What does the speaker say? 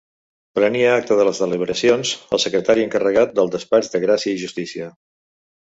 Prenia acta de les deliberacions, el secretari encarregat del Despatx de Gràcia i Justícia.